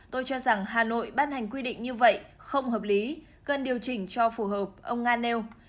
tôi cho rằng hà nội ban hành quy định như vậy không hợp lý cần điều chỉnh cho phù hợp ông nga nêu